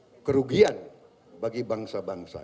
dan juga merugian bagi bangsa bangsa